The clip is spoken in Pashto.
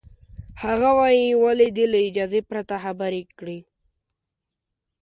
هغه وایي، ولې دې له اجازې پرته خبرې کړې؟